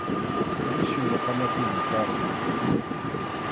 Nisyu maqanakuymi karqan.